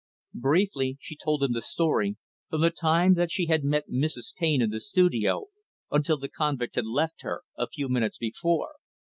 Briefly, she told him the story, from the time that she had met Mrs. Taine in the studio until the convict had left her, a few minutes before.